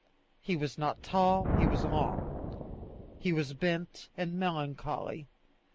He was not tall he was long. He was bent and melancholy.